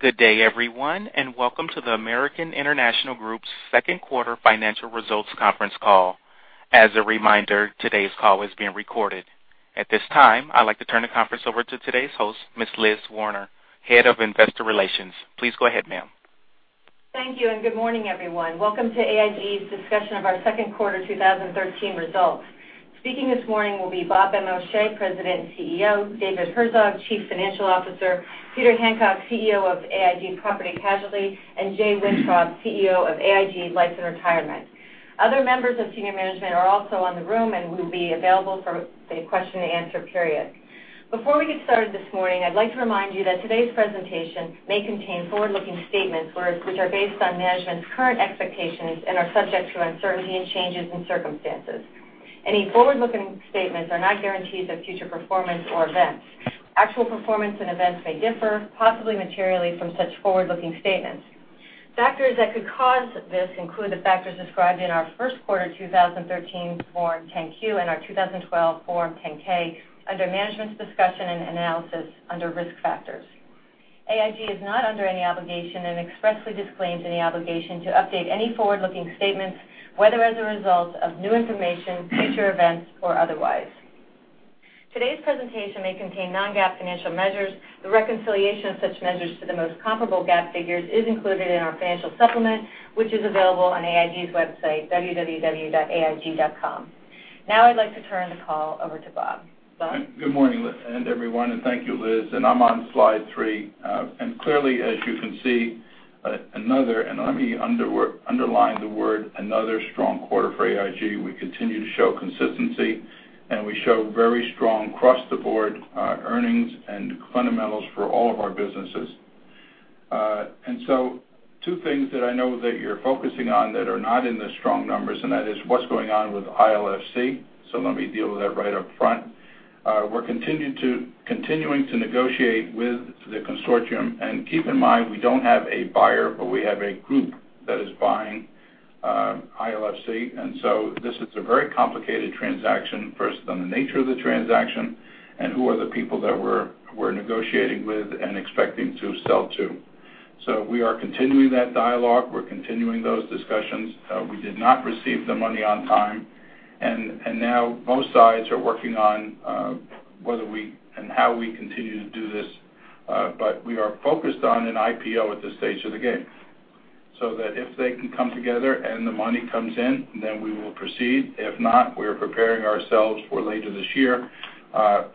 Good day, everyone, and welcome to the American International Group's second quarter financial results conference call. As a reminder, today's call is being recorded. At this time, I'd like to turn the conference over to today's host, Ms. Elizabeth Werner, Head of Investor Relations. Please go ahead, ma'am. Thank you, and good morning, everyone. Welcome to AIG's discussion of our second quarter 2013 results. Speaking this morning will be Bob Benmosche, President and CEO, David Herzog, Chief Financial Officer, Peter Hancock, CEO of AIG Property Casualty, and Jay Wintrob, CEO of AIG Life and Retirement. Other members of senior management are also in the room and will be available for the question and answer period. Before we get started this morning, I'd like to remind you that today's presentation may contain forward-looking statements, which are based on management's current expectations and are subject to uncertainty and changes in circumstances. Any forward-looking statements are not guarantees of future performance or events. Actual performance and events may differ, possibly materially, from such forward-looking statements. Factors that could cause this include the factors described in our first quarter 2013 Form 10-Q and our 2012 Form 10-K under Management's Discussion and Analysis under Risk Factors. AIG is not under any obligation and expressly disclaims any obligation to update any forward-looking statements, whether as a result of new information, future events, or otherwise. Today's presentation may contain non-GAAP financial measures. The reconciliation of such measures to the most comparable GAAP figures is included in our financial supplement, which is available on aig.com. I'd like to turn the call over to Bob. Bob? Good morning, Liz and everyone, and thank you, Liz. I'm on slide three. Clearly, as you can see, another, and let me underline the word another strong quarter for AIG. We continue to show consistency, and we show very strong across-the-board earnings and fundamentals for all of our businesses. Two things that I know that you're focusing on that are not in the strong numbers, and that is what's going on with ILFC. Let me deal with that right up front. We're continuing to negotiate with the consortium. Keep in mind, we don't have a buyer, but we have a group that is buying ILFC. This is a very complicated transaction, first on the nature of the transaction and who are the people that we're negotiating with and expecting to sell to. We are continuing that dialogue. We're continuing those discussions. We did not receive the money on time. Now both sides are working on whether we, and how we continue to do this. We are focused on an IPO at this stage of the game, so that if they can come together and the money comes in, we will proceed. If not, we are preparing ourselves for later this year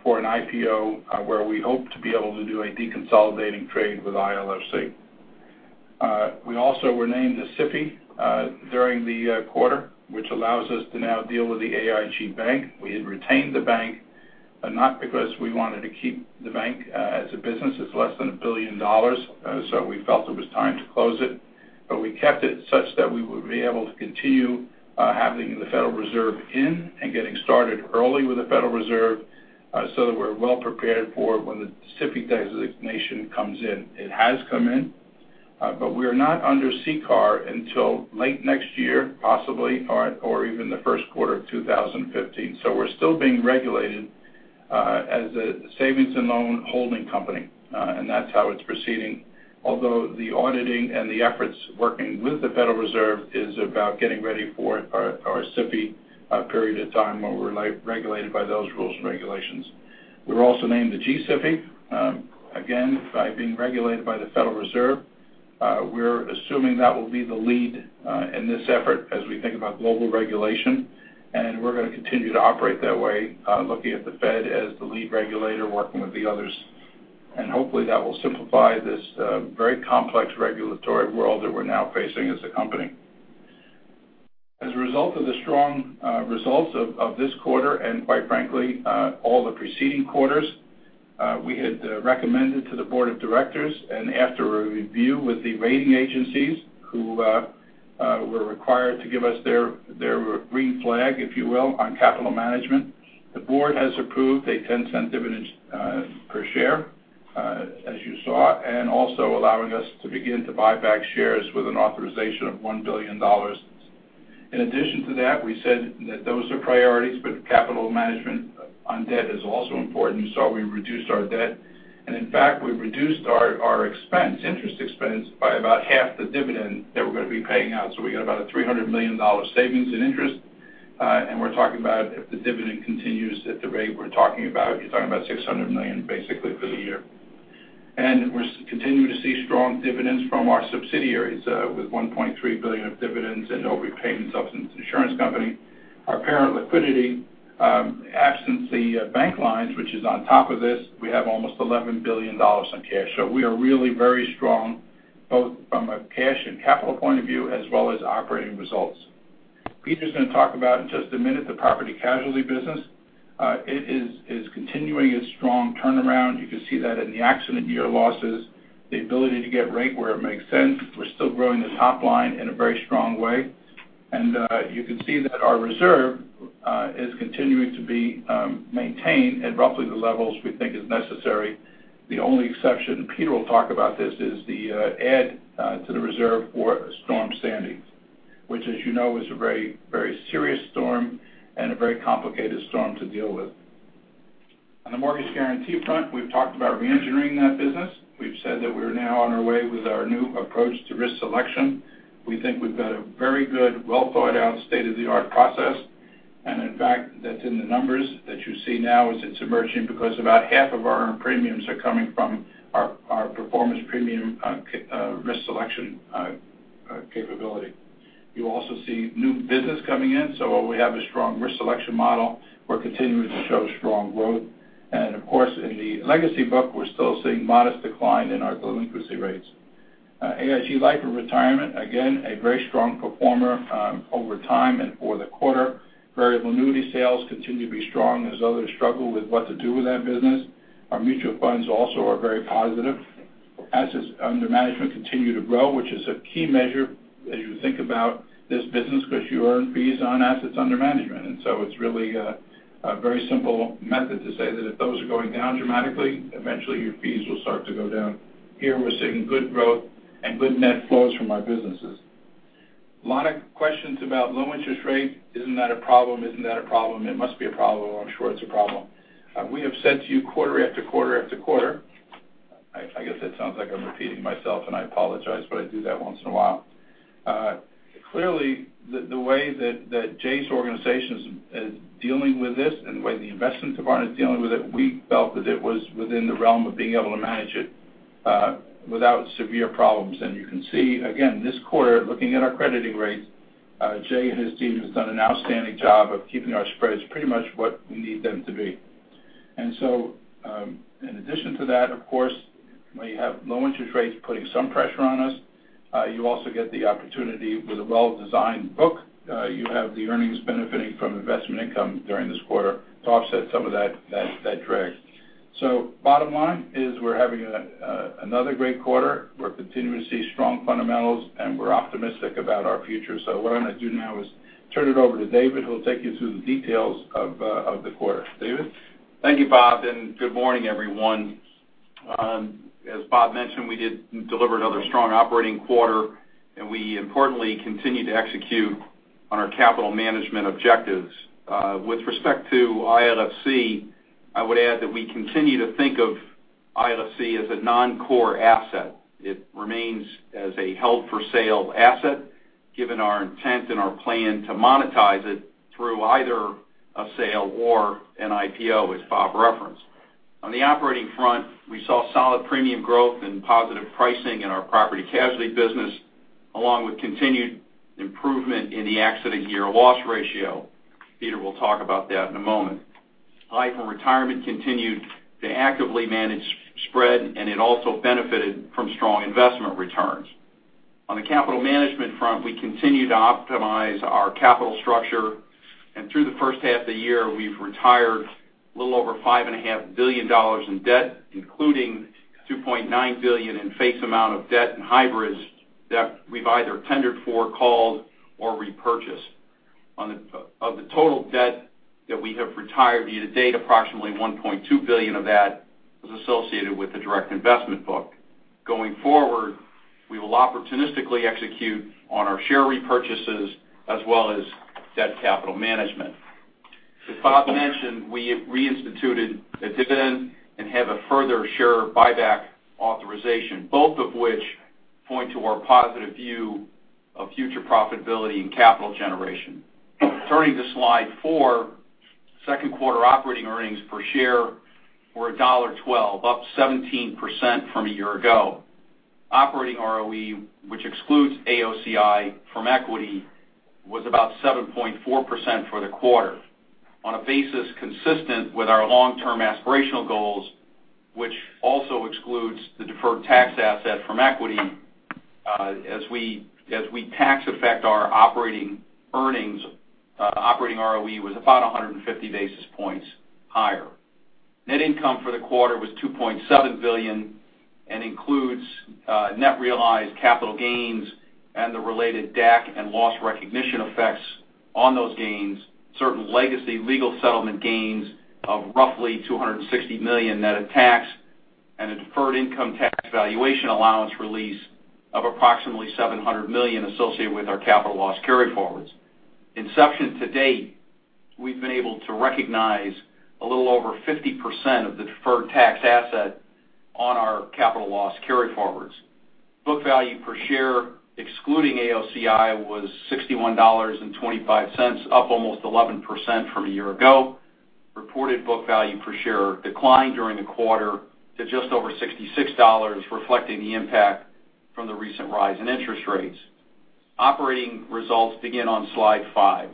for an IPO where we hope to be able to do a deconsolidating trade with ILFC. We also were named a SIFI during the quarter, which allows us to now deal with the AIG Bank. We had retained the bank, but not because we wanted to keep the bank as a business. It's less than $1 billion, so we felt it was time to close it. We kept it such that we would be able to continue having the Federal Reserve in and getting started early with the Federal Reserve so that we're well prepared for when the SIFI designation comes in. It has come in. We are not under CCAR until late next year, possibly, or even the first quarter of 2015. We're still being regulated as a savings and loan holding company, and that's how it's proceeding. Although the auditing and the efforts working with the Federal Reserve is about getting ready for our SIFI period of time where we're regulated by those rules and regulations. We were also named a G-SIFI, again, by being regulated by the Federal Reserve. We're assuming that will be the lead in this effort as we think about global regulation. We're going to continue to operate that way, looking at the Fed as the lead regulator, working with the others. Hopefully, that will simplify this very complex regulatory world that we're now facing as a company. As a result of the strong results of this quarter, and quite frankly, all the preceding quarters, we had recommended to the board of directors, and after a review with the rating agencies who were required to give us their green flag, if you will, on capital management, the board has approved a $0.10 dividend per share, as you saw, and also allowing us to begin to buy back shares with an authorization of $1 billion. In addition to that, we said that those are priorities. Capital management on debt is also important. You saw we reduced our debt. In fact, we reduced our expense, interest expense, by about half the dividend that we're going to be paying out. We got about a $300 million savings in interest. We're talking about if the dividend continues at the rate we're talking about, you're talking about $600 million basically for the year. We continue to see strong dividends from our subsidiaries with $1.3 billion of dividends and overpayments of insurance company. Our parent liquidity, absent the bank lines, which is on top of this, we have almost $11 billion in cash. We are really very strong, both from a cash and capital point of view, as well as operating results. Peter's going to talk about in just a minute the Property Casualty business. It is continuing its strong turnaround. You can see that in the accident year losses, the ability to get rate where it makes sense. We're still growing the top line in a very strong way. You can see that our reserve is continuing to be maintained at roughly the levels we think is necessary. The only exception, Peter will talk about this, is the add to the reserve for Storm Sandy, which as you know, is a very serious storm and a very complicated storm to deal with. On the mortgage guarantee front, we've talked about re-engineering that business. We've said that we're now on our way with our new approach to risk selection. We think we've got a very good, well-thought-out, state-of-the-art process. In fact, that's in the numbers that you see now as it's emerging because about half of our earned premiums are coming from our performance premium risk selection capability. You also see new business coming in. While we have a strong risk selection model, we're continuing to show strong growth. Of course, in the legacy book, we're still seeing modest decline in our delinquency rates. AIG Life and Retirement, again, a very strong performer over time and for the quarter. Variable annuity sales continue to be strong as others struggle with what to do with that business. Our mutual funds also are very positive. Assets under management continue to grow, which is a key measure as you think about this business because you earn fees on assets under management. It's really a very simple method to say that if those are going down dramatically, eventually your fees will start to go down. Here we're seeing good growth and good net flows from our businesses. A lot of questions about low interest rates. Isn't that a problem? It must be a problem. I'm sure it's a problem. We have said to you quarter after quarter after quarter, I guess that sounds like I'm repeating myself, I apologize, but I do that once in a while. Clearly, the way that Jay's organization is dealing with this and the way the investments department is dealing with it, we felt that it was within the realm of being able to manage it without severe problems. You can see again this quarter, looking at our crediting rates, Jay and his team has done an outstanding job of keeping our spreads pretty much what we need them to be. In addition to that, of course, when you have low interest rates putting some pressure on us, you also get the opportunity with a well-designed book. You have the earnings benefiting from investment income during this quarter to offset some of that drag. Bottom line is we're having another great quarter. We're continuing to see strong fundamentals, we're optimistic about our future. What I'm going to do now is turn it over to David, who will take you through the details of the quarter. David? Thank you, Bob, and good morning, everyone. As Bob mentioned, we did deliver another strong operating quarter, and we importantly continued to execute on our capital management objectives. With respect to ILFC, I would add that we continue to think of ILFC as a non-core asset. It remains as a held for sale asset, given our intent and our plan to monetize it through either a sale or an IPO, as Bob referenced. On the operating front, we saw solid premium growth and positive pricing in our property casualty business, along with continued improvement in the accident year loss ratio. Peter will talk about that in a moment. Life and Retirement continued to actively manage spread, and it also benefited from strong investment returns. On the capital management front, we continue to optimize our capital structure, and through the first half of the year, we've retired a little over $5.5 billion in debt, including $2.9 billion in face amount of debt and hybrids that we've either tendered for, called or repurchased. Of the total debt that we have retired year to date, approximately $1.2 billion of that was associated with the direct investment book. Going forward, we will opportunistically execute on our share repurchases as well as debt capital management. As Bob mentioned, we have reinstituted a dividend and have a further share buyback authorization, both of which point to our positive view of future profitability and capital generation. Turning to slide four, second quarter operating earnings per share were $1.12, up 17% from a year ago. Operating ROE, which excludes AOCI from equity, was about 7.4% for the quarter. On a basis consistent with our long-term aspirational goals, which also excludes the deferred tax asset from equity as we tax affect our operating earnings, operating ROE was about 150 basis points higher. Net income for the quarter was $2.7 billion and includes net realized capital gains and the related DAC and loss recognition effects on those gains, certain legacy legal settlement gains of roughly $260 million net of tax, and a deferred income tax valuation allowance release of approximately $700 million associated with our capital loss carryforwards. Inception to date, we've been able to recognize a little over 50% of the deferred tax asset on our capital loss carryforwards. Book value per share excluding AOCI was $61.25, up almost 11% from a year ago. Reported book value per share declined during the quarter to just over $66, reflecting the impact from the recent rise in interest rates. Operating results begin on slide five.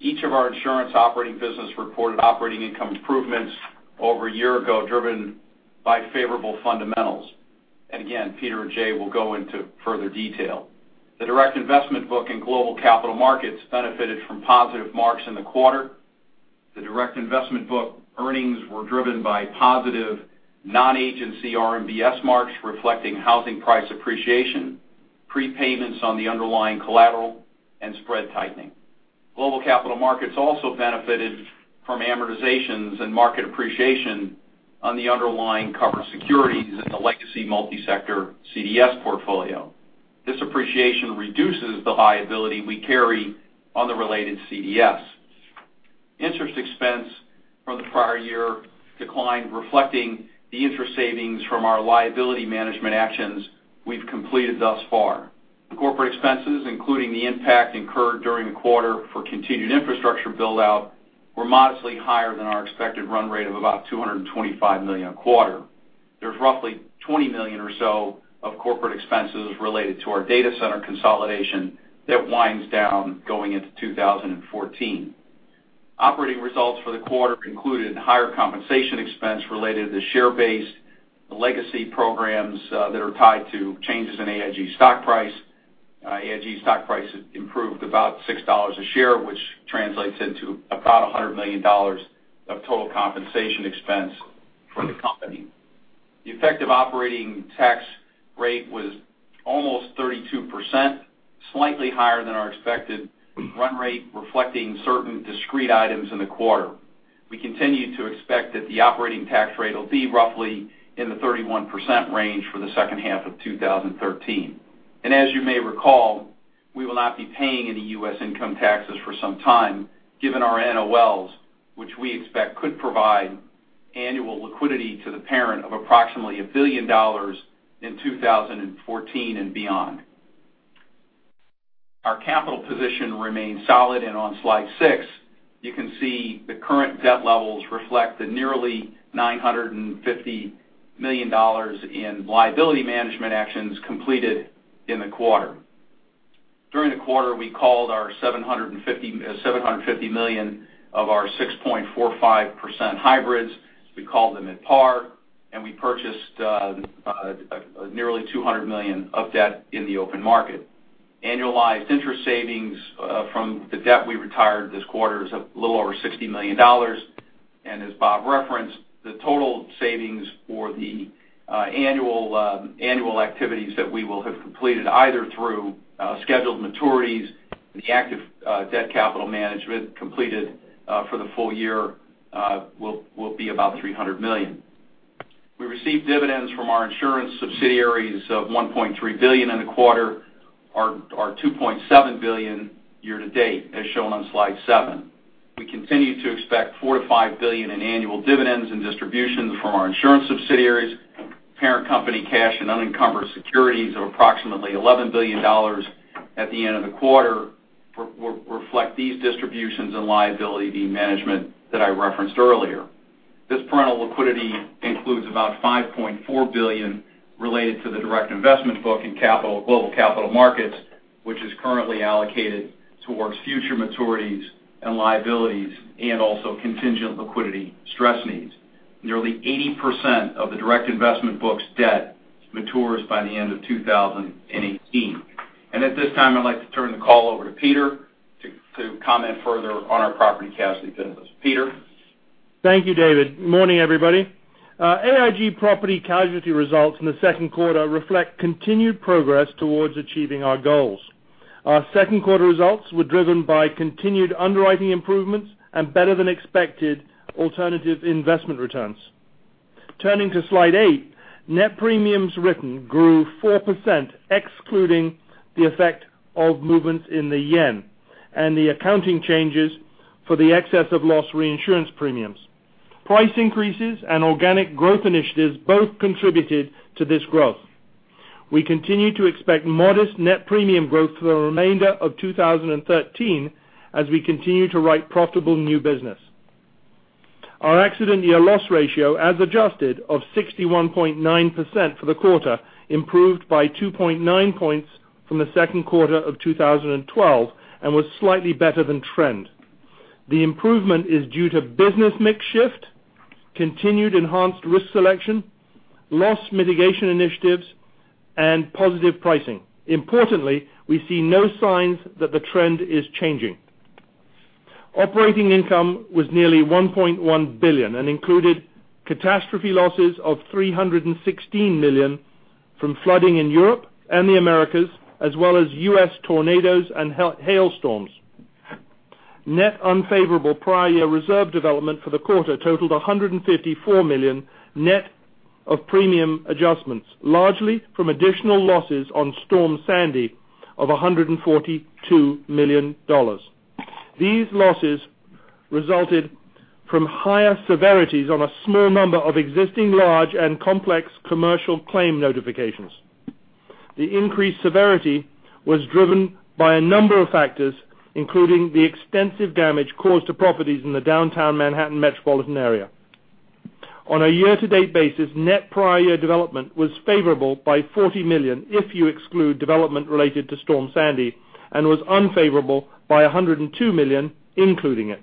Each of our insurance operating business reported operating income improvements over a year ago, driven by favorable fundamentals. Again, Peter and Jay will go into further detail. The direct investment book in Global Capital Markets benefited from positive marks in the quarter. The direct investment book earnings were driven by positive non-agency RMBS marks reflecting housing price appreciation, prepayments on the underlying collateral and spread tightening. Global Capital Markets also benefited from amortizations and market appreciation on the underlying covered securities in the legacy multi-sector CDS portfolio. This appreciation reduces the liability we carry on the related CDS. Interest expense from the prior year declined, reflecting the interest savings from our liability management actions we've completed thus far. The corporate expenses, including the impact incurred during the quarter for continued infrastructure build-out, were modestly higher than our expected run rate of about $225 million a quarter. There's roughly $20 million or so of corporate expenses related to our data center consolidation that winds down going into 2014. Operating results for the quarter included higher compensation expense related to share-based legacy programs that are tied to changes in AIG stock price. AIG stock price improved about $6 a share, which translates into about $100 million of total compensation expense for the company. The effective operating tax rate was almost 32%, slightly higher than our expected run rate, reflecting certain discrete items in the quarter. We continue to expect that the operating tax rate will be roughly in the 31% range for the second half of 2013. As you may recall, we will not be paying any U.S. income taxes for some time, given our NOLs, which we expect could provide annual liquidity to the parent of approximately $1 billion in 2014 and beyond. Our capital position remains solid, and on Slide six, you can see the current debt levels reflect the nearly $950 million in liability management actions completed in the quarter. During the quarter, we called our $750 million of our 6.45% hybrids. We called them at par, and we purchased nearly $200 million of debt in the open market. Annualized interest savings from the debt we retired this quarter is a little over $60 million. As Bob referenced, the total savings for the annual activities that we will have completed, either through scheduled maturities and the active debt capital management completed for the full year, will be about $300 million. We received dividends from our insurance subsidiaries of $1.3 billion in the quarter, or $2.7 billion year-to-date, as shown on Slide seven. We continue to expect $4 billion-$5 billion in annual dividends and distributions from our insurance subsidiaries. Parent company cash and unencumbered securities are approximately $11 billion at the end of the quarter, reflect these distributions and liability management that I referenced earlier. This parental liquidity includes about $5.4 billion related to the direct investment book in Global Capital Markets, which is currently allocated towards future maturities and liabilities, and also contingent liquidity stress needs. Nearly 80% of the direct investment book's debt matures by the end of 2018. At this time, I'd like to turn the call over to Peter to comment further on our property casualty business. Peter? Thank you, David. Morning, everybody. AIG Property Casualty results in the second quarter reflect continued progress towards achieving our goals. Our second quarter results were driven by continued underwriting improvements and better than expected alternative investment returns. Turning to Slide eight, net premiums written grew 4%, excluding the effect of movements in the yen and the accounting changes for the excess of loss reinsurance premiums. Price increases and organic growth initiatives both contributed to this growth. We continue to expect modest net premium growth for the remainder of 2013 as we continue to write profitable new business. Our accident year loss ratio, as adjusted of 61.9% for the quarter, improved by 2.9 points from the second quarter of 2012 and was slightly better than trend. The improvement is due to business mix shift, continued enhanced risk selection, loss mitigation initiatives, and positive pricing. Importantly, we see no signs that the trend is changing. Operating income was nearly $1.1 billion and included catastrophe losses of $316 million from flooding in Europe and the Americas, as well as U.S. tornadoes and hailstorms. Net unfavorable prior year reserve development for the quarter totaled $154 million, net of premium adjustments, largely from additional losses on Storm Sandy of $142 million. These losses resulted from higher severities on a small number of existing large and complex commercial claim notifications. The increased severity was driven by a number of factors, including the extensive damage caused to properties in the downtown Manhattan metropolitan area. On a year-to-date basis, net prior year development was favorable by $40 million if you exclude development related to Storm Sandy and was unfavorable by $102 million, including it.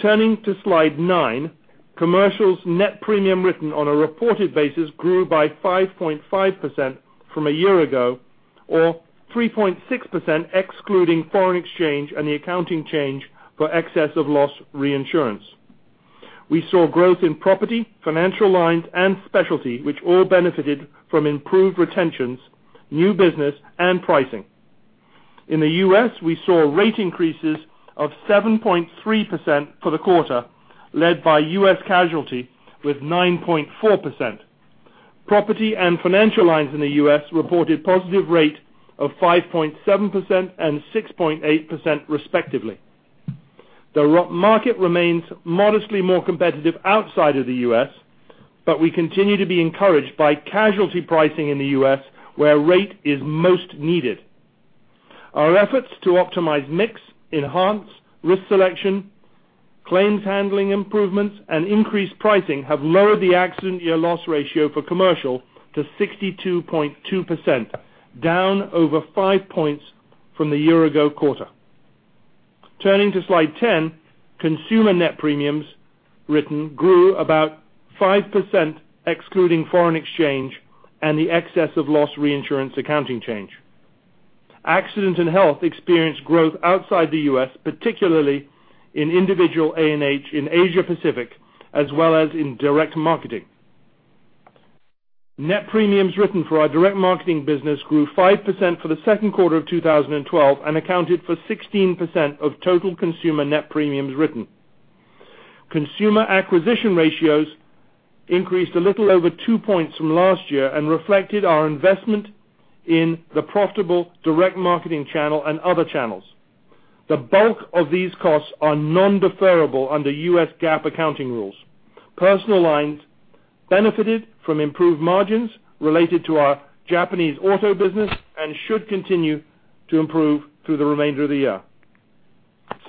Turning to Slide 9, Commercials net premium written on a reported basis grew by 5.5% from a year ago or 3.6%, excluding foreign exchange and the accounting change for excess of loss reinsurance. We saw growth in property, financial lines, and specialty, which all benefited from improved retentions, new business, and pricing. In the U.S., we saw rate increases of 7.3% for the quarter, led by U.S. Casualty with 9.4%. Property and Financial lines in the U.S. reported positive rate of 5.7% and 6.8% respectively. The market remains modestly more competitive outside of the U.S., but we continue to be encouraged by casualty pricing in the U.S. where rate is most needed. Our efforts to optimize mix, enhance risk selection, claims handling improvements, and increased pricing have lowered the accident year loss ratio for Commercial to 62.2%, down over five points from the year ago quarter. Turning to Slide 10, Consumer net premiums written grew about 5%, excluding foreign exchange and the excess of loss reinsurance accounting change. Accident and health experienced growth outside the U.S., particularly in individual A&H in Asia Pacific, as well as in direct marketing. Net premiums written for our direct marketing business grew 5% for the second quarter of 2012 and accounted for 16% of total Consumer net premiums written. Consumer acquisition ratios increased a little over two points from last year and reflected our investment in the profitable direct marketing channel and other channels. The bulk of these costs are non-deferrable under U.S. GAAP accounting rules. Personal lines benefited from improved margins related to our Japanese auto business and should continue to improve through the remainder of the year.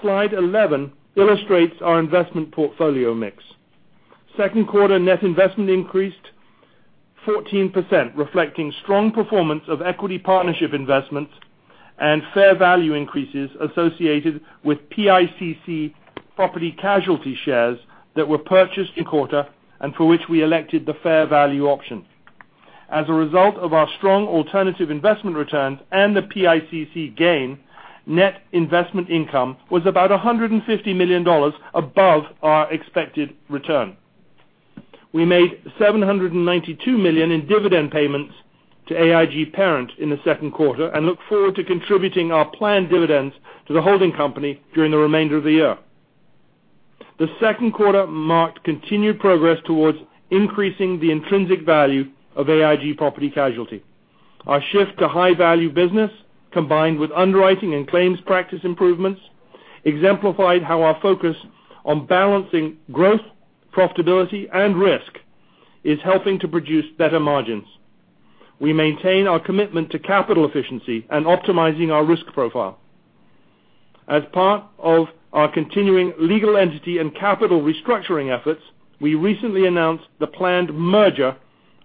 Slide 11 illustrates our investment portfolio mix. Second quarter net investment increased 14%, reflecting strong performance of equity partnership investments and fair value increases associated with PICC Property and Casualty shares that were purchased in quarter and for which we elected the fair value option. As a result of our strong alternative investment returns and the PICC gain, net investment income was about $150 million above our expected return. We made $792 million in dividend payments to AIG Parent in the second quarter and look forward to contributing our planned dividends to the holding company during the remainder of the year. The second quarter marked continued progress towards increasing the intrinsic value of AIG Property Casualty. Our shift to high-value business, combined with underwriting and claims practice improvements, exemplified how our focus on balancing growth, profitability, and risk is helping to produce better margins. We maintain our commitment to capital efficiency and optimizing our risk profile. As part of our continuing legal entity and capital restructuring efforts, we recently announced the planned merger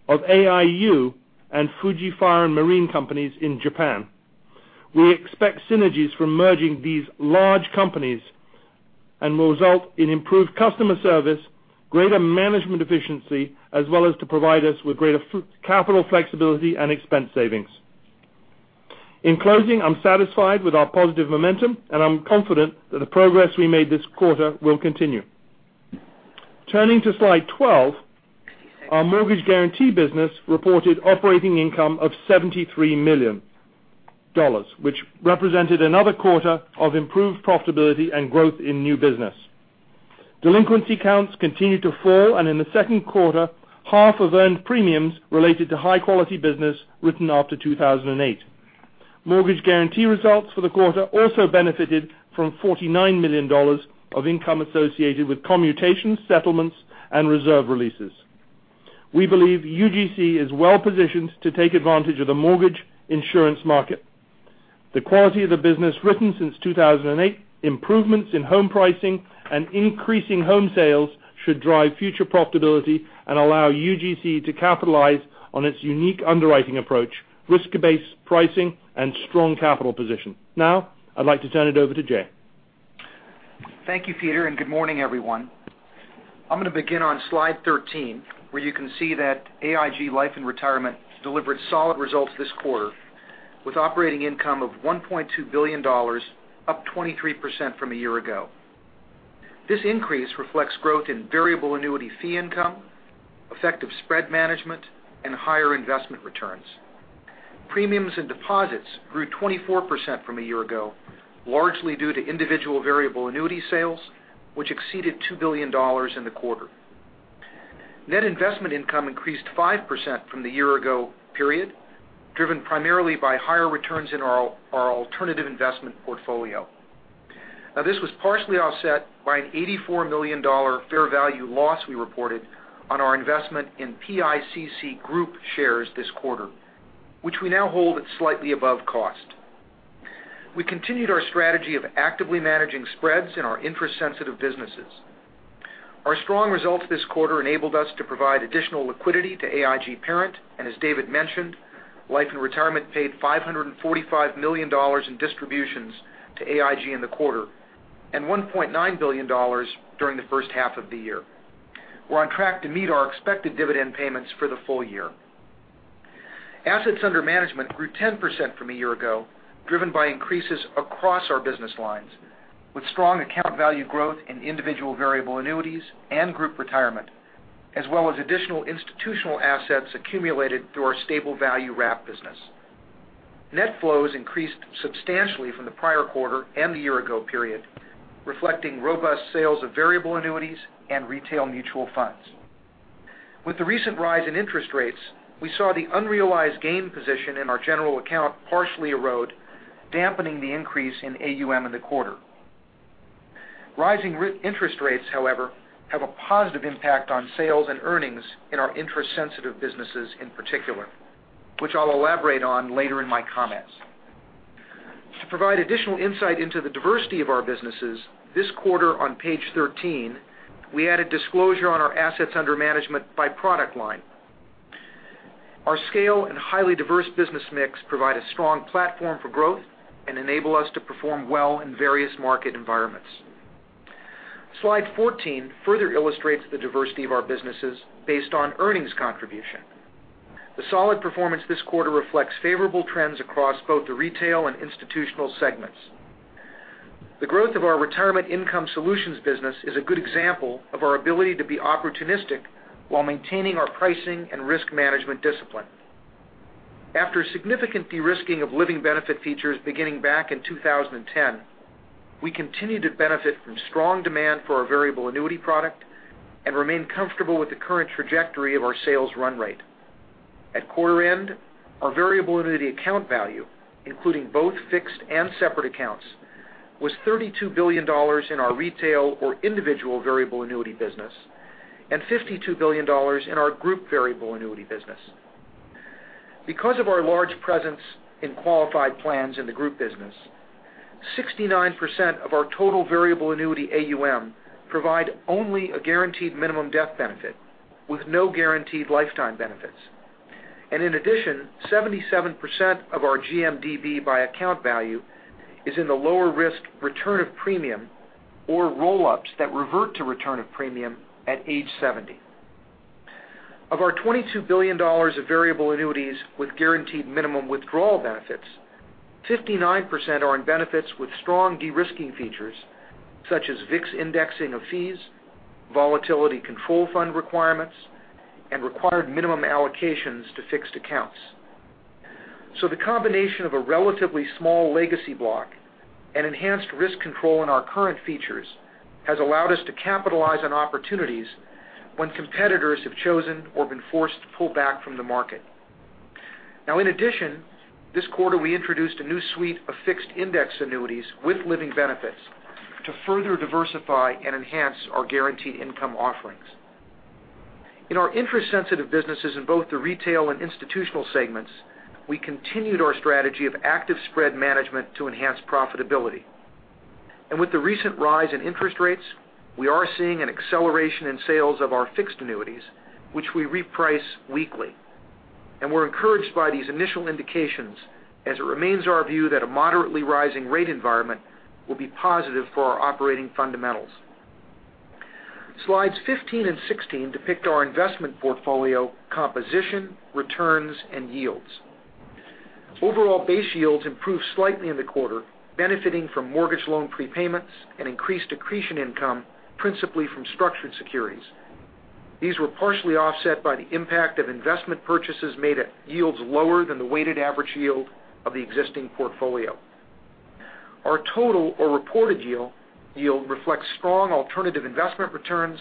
of AIU and Fuji Fire and Marine companies in Japan. We expect synergies from merging these large companies and will result in improved customer service, greater management efficiency, as well as to provide us with greater capital flexibility and expense savings. In closing, I'm satisfied with our positive momentum and I'm confident that the progress we made this quarter will continue. Turning to slide 12, our mortgage guarantee business reported operating income of $73 million, which represented another quarter of improved profitability and growth in new business. Delinquency counts continued to fall, and in the second quarter, half of earned premiums related to high-quality business written after 2008. Mortgage guarantee results for the quarter also benefited from $49 million of income associated with commutations, settlements, and reserve releases. We believe UGC is well-positioned to take advantage of the mortgage insurance market. The quality of the business written since 2008, improvements in home pricing, and increasing home sales should drive future profitability and allow UGC to capitalize on its unique underwriting approach, risk-based pricing, and strong capital position. Now, I'd like to turn it over to Jay. Thank you, Peter, and good morning, everyone. I'm going to begin on slide 13, where you can see that AIG Life and Retirement delivered solid results this quarter with operating income of $1.2 billion, up 23% from a year ago. This increase reflects growth in variable annuity fee income, effective spread management, and higher investment returns. Premiums and deposits grew 24% from a year ago, largely due to individual variable annuity sales, which exceeded $2 billion in the quarter. Net investment income increased 5% from the year ago period, driven primarily by higher returns in our alternative investment portfolio. Now, this was partially offset by an $84 million fair value loss we reported on our investment in PICC Group shares this quarter, which we now hold at slightly above cost. We continued our strategy of actively managing spreads in our interest-sensitive businesses. Our strong results this quarter enabled us to provide additional liquidity to AIG Parent. As David mentioned, Life and Retirement paid $545 million in distributions to AIG in the quarter and $1.9 billion during the first half of the year. We're on track to meet our expected dividend payments for the full year. Assets under management grew 10% from a year ago, driven by increases across our business lines with strong account value growth in individual variable annuities and group retirement. As well as additional institutional assets accumulated through our stable value wrap business. Net flows increased substantially from the prior quarter and the year-ago period, reflecting robust sales of variable annuities and retail mutual funds. With the recent rise in interest rates, we saw the unrealized gain position in our general account partially erode, dampening the increase in AUM in the quarter. Rising interest rates, however, have a positive impact on sales and earnings in our interest-sensitive businesses in particular, which I'll elaborate on later in my comments. To provide additional insight into the diversity of our businesses, this quarter on page 13, we added disclosure on our assets under management by product line. Our scale and highly diverse business mix provide a strong platform for growth and enable us to perform well in various market environments. Slide 14 further illustrates the diversity of our businesses based on earnings contribution. The solid performance this quarter reflects favorable trends across both the retail and institutional segments. The growth of our retirement income solutions business is a good example of our ability to be opportunistic while maintaining our pricing and risk management discipline. After significant de-risking of living benefit features beginning back in 2010, we continue to benefit from strong demand for our variable annuity product and remain comfortable with the current trajectory of our sales run rate. At quarter end, our variable annuity account value, including both fixed and separate accounts, was $32 billion in our retail or individual variable annuity business and $52 billion in our group variable annuity business. Because of our large presence in qualified plans in the group business, 69% of our total variable annuity AUM provide only a guaranteed minimum death benefit with no guaranteed lifetime benefits. In addition, 77% of our GMDB by account value is in the lower risk return of premium or roll-ups that revert to return of premium at age 70. Of our $22 billion of variable annuities with guaranteed minimum withdrawal benefits, 59% are in benefits with strong de-risking features such as VIX indexing of fees, volatility control fund requirements, and required minimum allocations to fixed accounts. The combination of a relatively small legacy block and enhanced risk control in our current features has allowed us to capitalize on opportunities when competitors have chosen or been forced to pull back from the market. In addition, this quarter, we introduced a new suite of fixed index annuities with living benefits to further diversify and enhance our guaranteed income offerings. In our interest-sensitive businesses in both the retail and institutional segments, we continued our strategy of active spread management to enhance profitability. With the recent rise in interest rates, we are seeing an acceleration in sales of our fixed annuities, which we reprice weekly. We're encouraged by these initial indications as it remains our view that a moderately rising rate environment will be positive for our operating fundamentals. Slides 15 and 16 depict our investment portfolio composition, returns, and yields. Overall base yields improved slightly in the quarter, benefiting from mortgage loan prepayments and increased accretion income, principally from structured securities. These were partially offset by the impact of investment purchases made at yields lower than the weighted average yield of the existing portfolio. Our total or reported yield reflects strong alternative investment returns,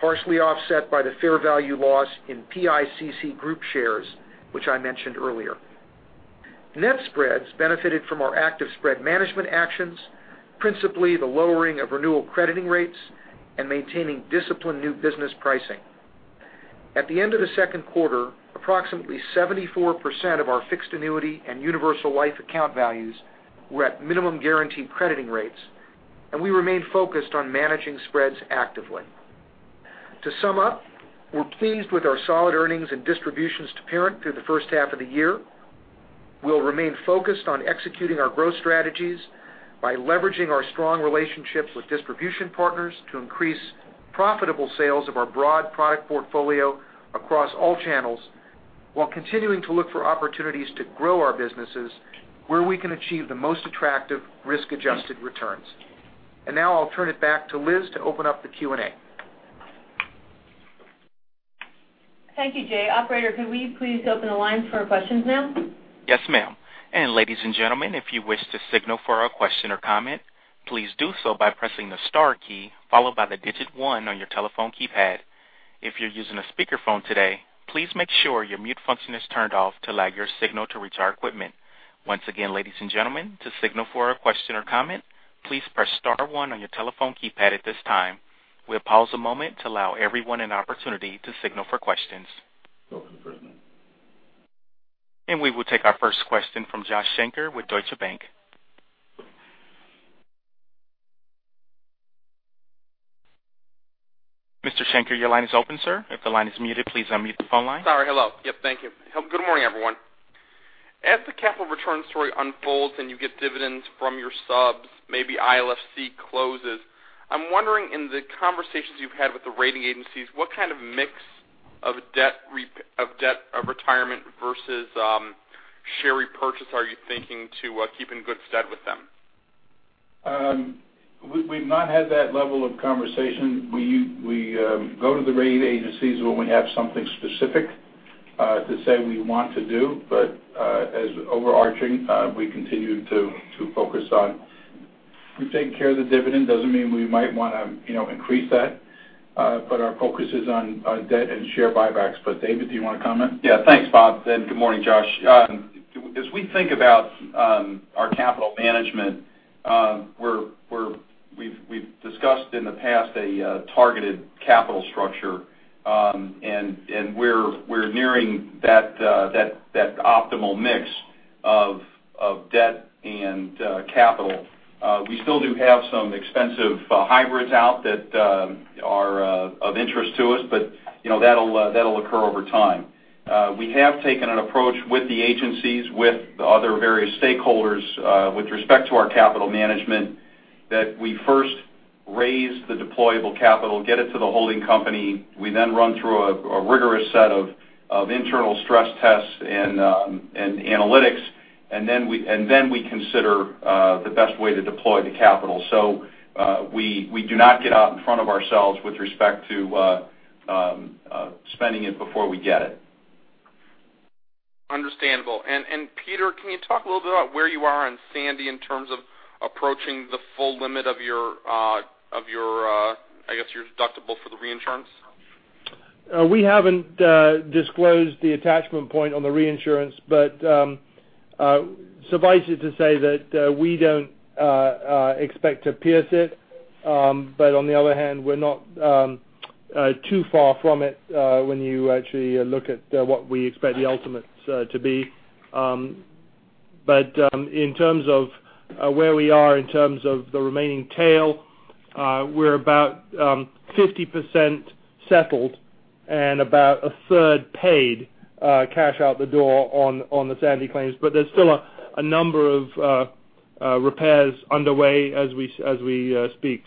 partially offset by the fair value loss in PICC Group shares, which I mentioned earlier. Net spreads benefited from our active spread management actions, principally the lowering of renewal crediting rates and maintaining disciplined new business pricing. At the end of the second quarter, approximately 74% of our fixed annuity and universal life account values were at minimum guaranteed crediting rates, we remain focused on managing spreads actively. To sum up, we're pleased with our solid earnings and distributions to parent through the first half of the year. We'll remain focused on executing our growth strategies by leveraging our strong relationships with distribution partners to increase profitable sales of our broad product portfolio across all channels while continuing to look for opportunities to grow our businesses where we can achieve the most attractive risk-adjusted returns. Now I'll turn it back to Liz to open up the Q&A. Thank you, Jay. Operator, could we please open the lines for questions now? Yes, ma'am. Ladies and gentlemen, if you wish to signal for a question or comment, please do so by pressing the star key followed by the digit one on your telephone keypad. If you're using a speakerphone today, please make sure your mute function is turned off to allow your signal to reach our equipment. Once again, ladies and gentlemen, to signal for a question or comment, please press star one on your telephone keypad at this time. We'll pause a moment to allow everyone an opportunity to signal for questions. Go for the first one. We will take our first question from Joshua Shanker with Deutsche Bank. Mr. Shanker, your line is open, sir. If the line is muted, please unmute the phone line. Sorry, hello. Yep, thank you. Good morning, everyone. As the capital returns story unfolds and you get dividends from your subs, maybe ILFC closes. I'm wondering in the conversations you've had with the rating agencies, what kind of mix of debt retirement versus share repurchase are you thinking to keep in good stead with them? We've not had that level of conversation. We go to the rating agencies when we have something specific to say we want to do. As overarching, we continue to focus on taking care of the dividend. Doesn't mean we might want to increase that, our focus is on debt and share buybacks. David, do you want to comment? Yeah, thanks, Bob, and good morning, Josh. As we think about our capital management, we've discussed in the past a targeted capital structure, and we're nearing that optimal mix of debt and capital. We still do have some expensive hybrids out that are of interest to us, but that'll occur over time. We have taken an approach with the agencies, with the other various stakeholders, with respect to our capital management, that we first raise the deployable capital, get it to the holding company. We then run through a rigorous set of internal stress tests and analytics, and then we consider the best way to deploy the capital. We do not get out in front of ourselves with respect to spending it before we get it. Understandable. Peter, can you talk a little bit about where you are on Superstorm Sandy in terms of approaching the full limit of your, I guess, your deductible for the reinsurance? We haven't disclosed the attachment point on the reinsurance, suffice it to say that we don't expect to pierce it. On the other hand, we're not too far from it when you actually look at what we expect the ultimates to be. In terms of where we are in terms of the remaining tail, we're about 50% settled and about a third paid cash out the door on the Superstorm Sandy claims. There's still a number of repairs underway as we speak.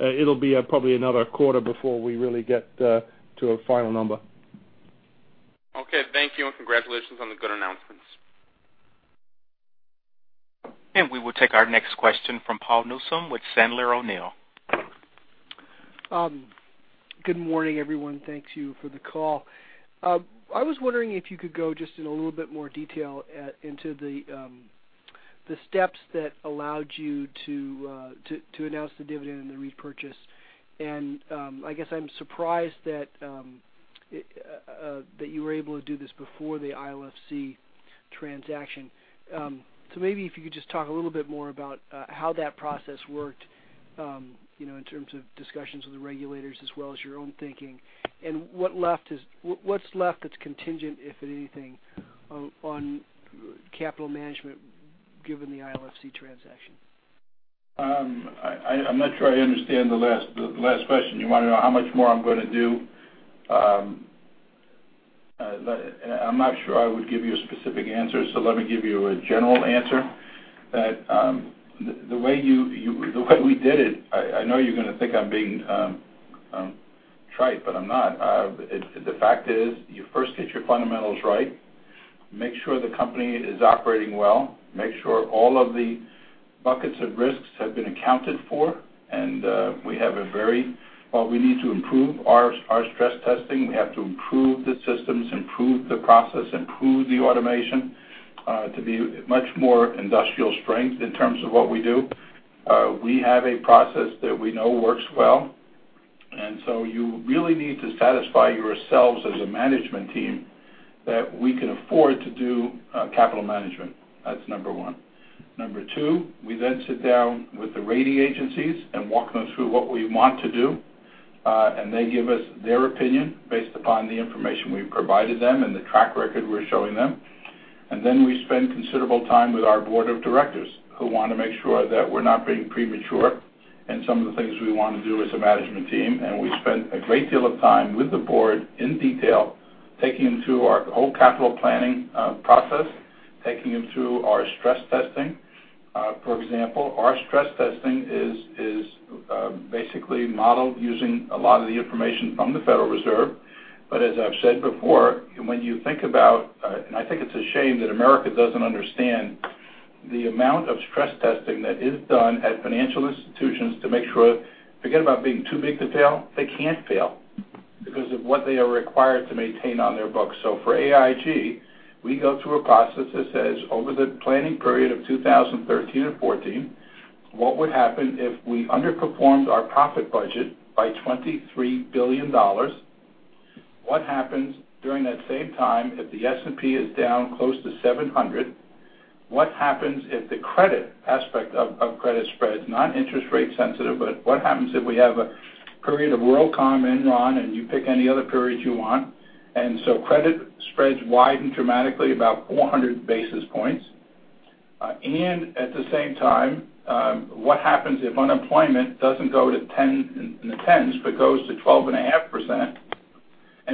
It'll be probably another quarter before we really get to a final number. Okay, thank you, congratulations on the good announcements. We will take our next question from Paul Newsome with Sandler O'Neill. Good morning, everyone. Thank you for the call. I was wondering if you could go just in a little bit more detail into the steps that allowed you to announce the dividend and the repurchase. I guess I'm surprised that you were able to do this before the ILFC transaction. Maybe if you could just talk a little bit more about how that process worked in terms of discussions with the regulators as well as your own thinking. What's left that's contingent, if anything, on capital management given the ILFC transaction? I'm not sure I understand the last question. You want to know how much more I'm going to do? I'm not sure I would give you a specific answer, let me give you a general answer. That the way we did it, I know you're going to think I'm being trite, but I'm not. The fact is, you first get your fundamentals right, make sure the company is operating well, make sure all of the buckets of risks have been accounted for. While we need to improve our stress testing, we have to improve the systems, improve the process, improve the automation to be much more industrial strength in terms of what we do. We have a process that we know works well, you really need to satisfy yourselves as a management team that we can afford to do capital management. That's number one. Number two, we sit down with the rating agencies and walk them through what we want to do, and they give us their opinion based upon the information we've provided them and the track record we're showing them. We spend considerable time with our board of directors, who want to make sure that we're not being premature in some of the things we want to do as a management team. We spend a great deal of time with the board in detail, taking them through our whole capital planning process, taking them through our stress testing. For example, our stress testing is basically modeled using a lot of the information from the Federal Reserve. As I've said before, when you think about, and I think it's a shame that America doesn't understand the amount of stress testing that is done at financial institutions to make sure, forget about being too big to fail, they can't fail because of what they are required to maintain on their books. For AIG, we go through a process that says over the planning period of 2013 and 2014, what would happen if we underperformed our profit budget by $23 billion? What happens during that same time if the S&P is down close to 700? What happens if the credit aspect of credit spreads, not interest rate sensitive, but what happens if we have a period of WorldCom, Enron, and you pick any other periods you want, credit spreads widen dramatically about 400 basis points. At the same time, what happens if unemployment doesn't go to the 10s but goes to 12.5%?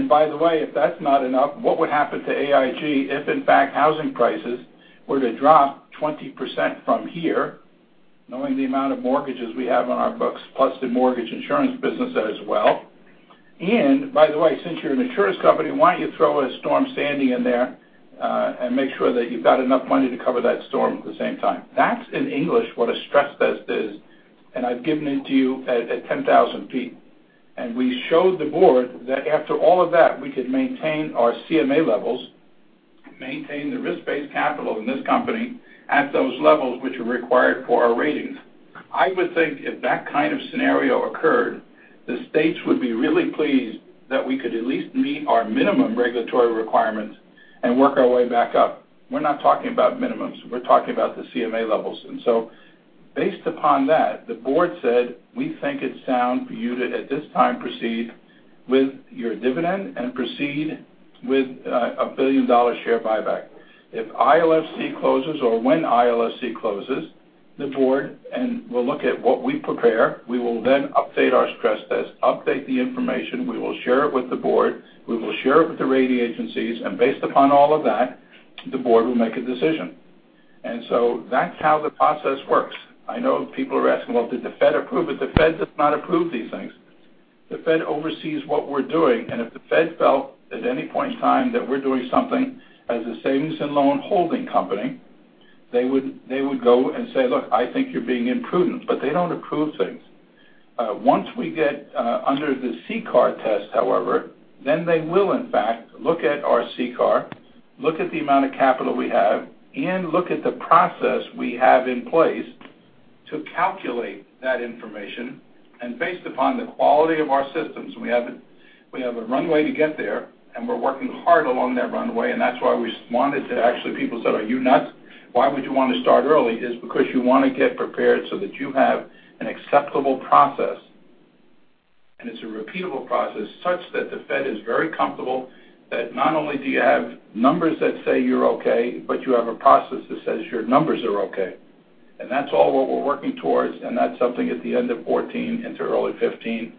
By the way, if that's not enough, what would happen to AIG if in fact housing prices were to drop 20% from here, knowing the amount of mortgages we have on our books, plus the mortgage insurance business as well? By the way, since you're an insurance company, why don't you throw a Storm Sandy in there, and make sure that you've got enough money to cover that storm at the same time. That's in English, what a stress test is, and I've given it to you at 10,000 feet. We showed the board that after all of that, we could maintain our CMA levels, maintain the risk-based capital in this company at those levels which are required for our ratings. I would think if that kind of scenario occurred, the states would be really pleased that we could at least meet our minimum regulatory requirements and work our way back up. We're not talking about minimums. We're talking about the CMA levels. Based upon that, the board said, "We think it's sound for you to, at this time, proceed with your dividend and proceed with a billion-dollar share buyback." If ILFC closes or when ILFC closes, the board will look at what we prepare. We will then update our stress test, update the information. We will share it with the board. We will share it with the rating agencies. Based upon all of that, the board will make a decision. That's how the process works. I know people are asking, well, did the Fed approve it? The Fed does not approve these things. The Fed oversees what we're doing. If the Fed felt at any point in time that we're doing something as a savings and loan holding company, they would go and say, "Look, I think you're being imprudent." They don't approve things. Once we get under the CCAR test, however, then they will in fact, look at our CCAR, look at the amount of capital we have, and look at the process we have in place to calculate that information. Based upon the quality of our systems, we have a runway to get there, and we're working hard along that runway. That's why we wanted to actually people said, "Are you nuts? Why would you want to start early?" Is because you want to get prepared so that you have an acceptable process. It's a repeatable process such that the Fed is very comfortable that not only do you have numbers that say you're okay, but you have a process that says your numbers are okay. That's all what we're working towards, and that's something at the end of 2014 into early 2015.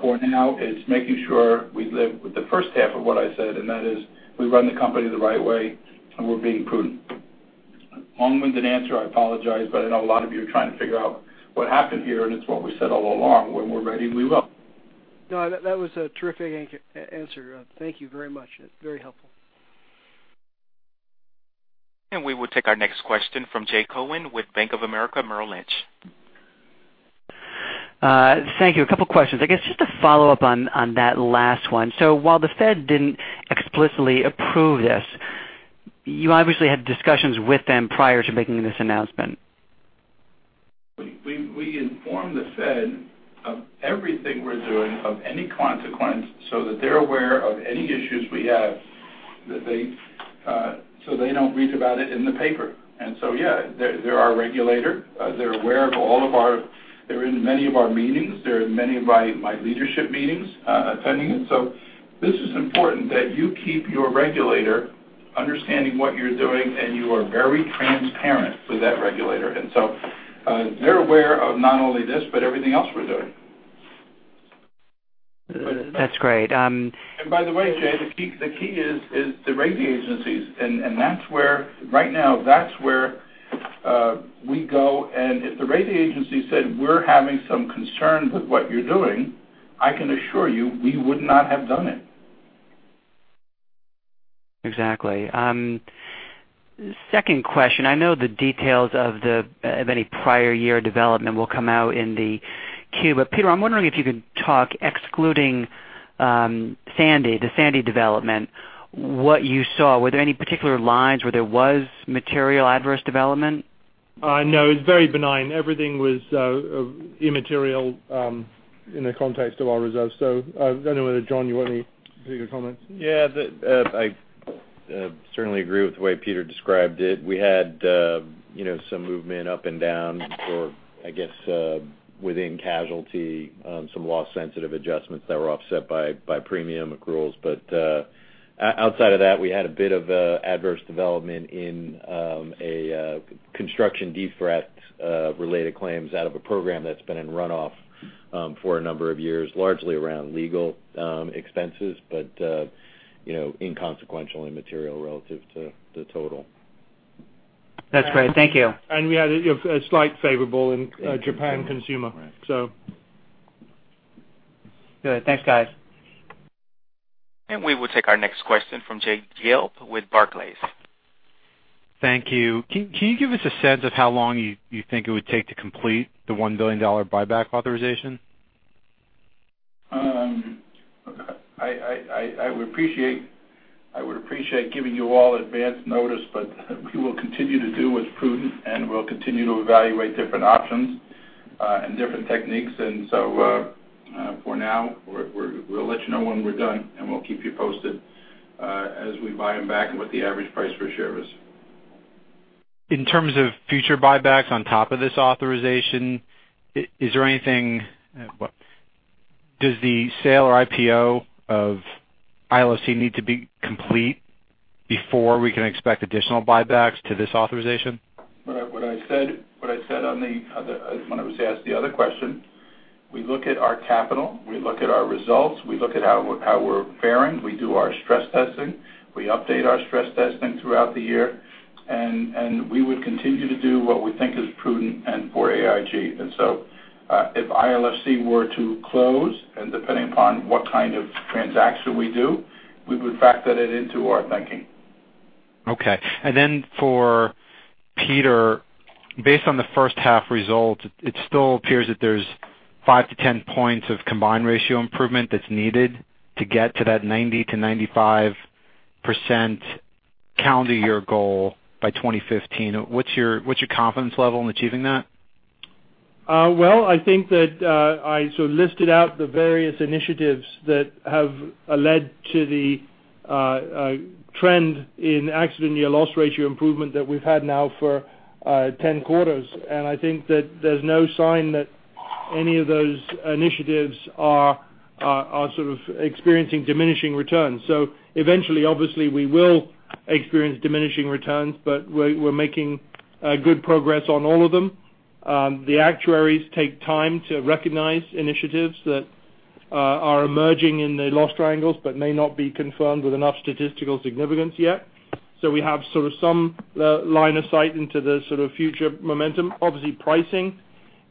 For now, it's making sure we live with the first half of what I said, and that is we run the company the right way and we're being prudent. Long-winded answer, I apologize, but I know a lot of you are trying to figure out what happened here, and it's what we said all along. When we're ready, we will. No, that was a terrific answer. Thank you very much. Very helpful. We will take our next question from Jay Cohen with Bank of America Merrill Lynch. Thank you. A couple of questions. I guess just to follow up on that last one. While the Fed didn't explicitly approve this, you obviously had discussions with them prior to making this announcement. We inform the Fed of everything we're doing of any consequence so that they're aware of any issues we have, so they don't read about it in the paper. Yeah, they're our regulator. They're in many of our meetings. They're in many of my leadership meetings, attending it. This is important that you keep your regulator understanding what you're doing, and you are very transparent with that regulator. They're aware of not only this, but everything else we're doing. That's great. By the way, Jay, the key is the rating agencies. Right now that's where we go. If the rating agency said, "We're having some concerns with what you're doing," I can assure you we would not have done it. Exactly. Second question. I know the details of any prior year development will come out in the 10-Q. Peter, I'm wondering if you could talk, excluding the Sandy development, what you saw. Were there any particular lines where there was material adverse development? No, it's very benign. Everything was immaterial in the context of our results. I don't know whether, John, you want to give your comments? I certainly agree with the way Peter described it. We had some movement up and down for, I guess within casualty, some loss sensitive adjustments that were offset by premium accruals. Outside of that, we had a bit of adverse development in a construction defect related claims out of a program that's been in runoff for a number of years, largely around legal expenses. Inconsequential and material relative to the total. That's great. Thank you. We had a slight favorable in Japan consumer. Good. Thanks, guys. We will take our next question from Jay Gelb with Barclays. Thank you. Can you give us a sense of how long you think it would take to complete the $1 billion buyback authorization? I would appreciate giving you all advance notice, we will continue to do what's prudent, and we'll continue to evaluate different options and different techniques. For now, we'll let you know when we're done, and we'll keep you posted as we buy them back and what the average price per share is. In terms of future buybacks on top of this authorization, does the sale or IPO of ILFC need to be complete before we can expect additional buybacks to this authorization? What I said when I was asked the other question, we look at our capital, we look at our results, we look at how we're faring. We do our stress testing. We update our stress testing throughout the year. We would continue to do what we think is prudent and for AIG. If ILFC were to close, depending upon what kind of transaction we do, we would factor that into our thinking. Okay. For Peter, based on the first half results, it still appears that there's 5-10 points of combined ratio improvement that's needed to get to that 90%-95% calendar year goal by 2015. What's your confidence level in achieving that? Well, I think that I listed out the various initiatives that have led to the trend in accident year loss ratio improvement that we've had now for 10 quarters. I think that there's no sign that any of those initiatives are sort of experiencing diminishing returns. Eventually, obviously, we will experience diminishing returns, but we're making good progress on all of them. The actuaries take time to recognize initiatives that are emerging in the loss triangles, but may not be confirmed with enough statistical significance yet. We have sort of some line of sight into the sort of future momentum. Obviously, pricing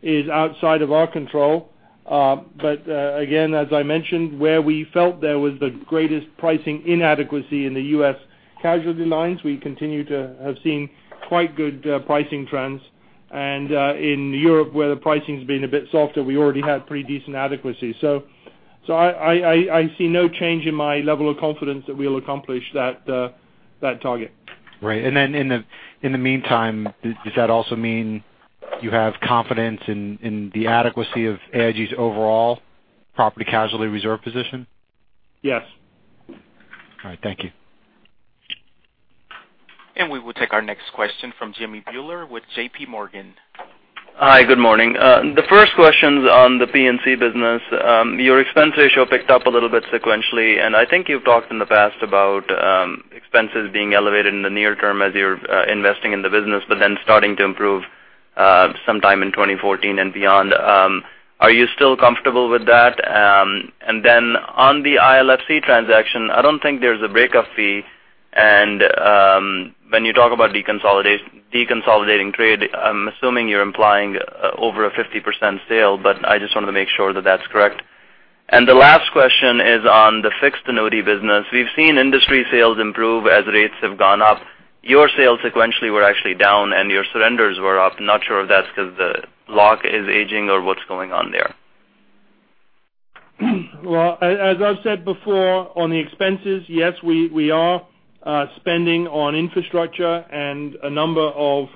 is outside of our control. Again, as I mentioned, where we felt there was the greatest pricing inadequacy in the US casualty lines, we continue to have seen quite good pricing trends. In Europe, where the pricing's been a bit softer, we already had pretty decent adequacy. I see no change in my level of confidence that we'll accomplish that target. Right. Then in the meantime, does that also mean you have confidence in the adequacy of AIG's overall property casualty reserve position? Yes. All right. Thank you. We will take our next question from Jimmy Bhullar with J.P. Morgan. Hi, good morning. The first question's on the P&C business. Your expense ratio picked up a little bit sequentially, I think you've talked in the past about expenses being elevated in the near term as you're investing in the business, then starting to improve sometime in 2014 and beyond. Are you still comfortable with that? Then on the ILFC transaction, I don't think there's a breakup fee, when you talk about deconsolidating trade, I'm assuming you're implying over a 50% sale, I just wanted to make sure that that's correct. The last question is on the fixed annuity business. We've seen industry sales improve as rates have gone up. Your sales sequentially were actually down and your surrenders were up. Not sure if that's because the block is aging or what's going on there. Well, as I've said before on the expenses, yes, we are spending on infrastructure and a number of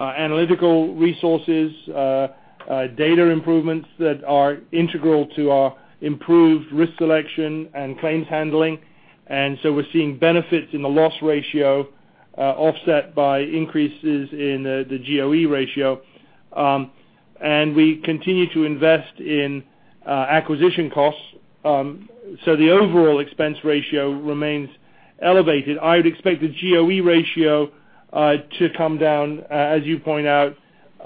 analytical resources, data improvements that are integral to our improved risk selection and claims handling. We're seeing benefits in the loss ratio offset by increases in the GOE ratio. We continue to invest in acquisition costs. The overall expense ratio remains elevated. I would expect the GOE ratio to come down, as you point out,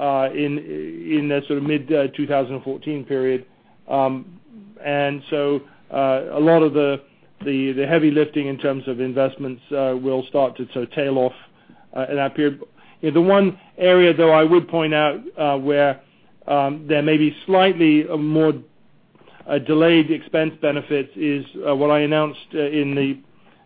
in the sort of mid-2014 period. A lot of the heavy lifting in terms of investments will start to tail off in that period. The one area, though, I would point out where there may be slightly a more delayed expense benefit is what I announced in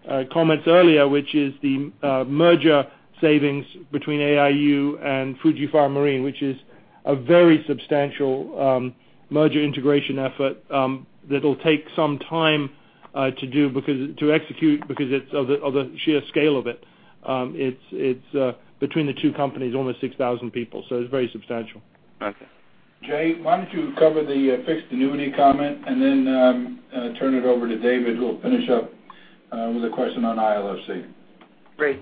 the comments earlier, which is the merger savings between AIU and Fuji Fire and Marine, which is a very substantial merger integration effort that'll take some time to execute because of the sheer scale of it. It's between the two companies, almost 6,000 people, so it's very substantial. Okay. Jay, why don't you cover the fixed annuity comment and then turn it over to David, who will finish up with a question on ILFC. Great.